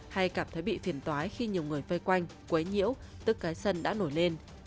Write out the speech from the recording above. hay cảm thấy bị phiền tói khi nhiều người vây quanh quấy nhiễu tức cái sân đã nổi lên